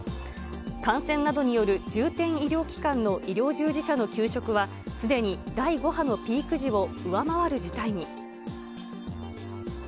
感染などによる重点医療機関の医療従事者の休職は、すでに第５波のピーク時を上回る事態に。